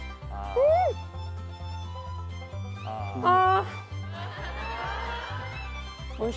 うわああ